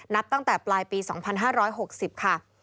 นับตั้งแต่ปลายปี๒๕๖๐ค่ะ